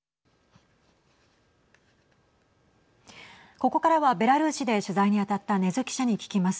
ここからはベラルーシで取材に当たった禰津記者に聞きます。